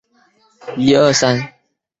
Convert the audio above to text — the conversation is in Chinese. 现效力丹麦足球超级联赛球队艾斯堡。